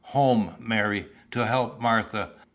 Home, Mary, to help Martha!